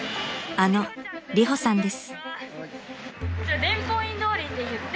［あのリホさんです］